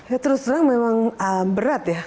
ya terus terang memang berat ya